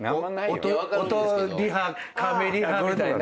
音リハカメリハみたいな。